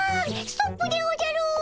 ストップでおじゃる！